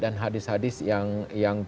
dan hadis hadis yang